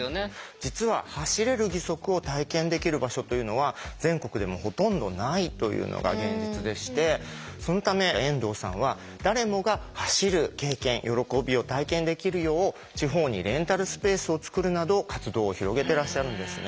実は走れる義足を体験できる場所というのは全国でもほとんどないというのが現実でしてそのため遠藤さんは誰もが走る経験喜びを体験できるよう地方にレンタルスペースをつくるなど活動を広げてらっしゃるんですね。